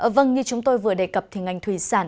vâng như chúng tôi vừa đề cập thì ngành thủy sản